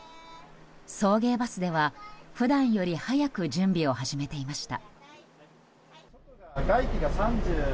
送迎バスでは普段より早く準備を始めていました。